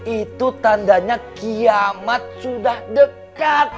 itu tandanya kiamat sudah dekat